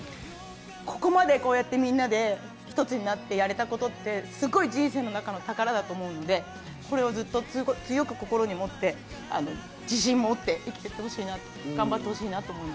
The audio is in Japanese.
ここまでこうやってみんなでひとつになってやれたことってすごい人生の中の宝だと思うんでこれをずっと強く心に持って自信持って生きてってほしいな頑張ってほしいなと思いました。